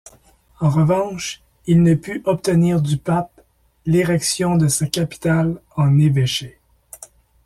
En revanche, il ne put obtenir du Pape l'érection de sa capitale en évêché.